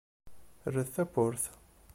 Rret tawwurt.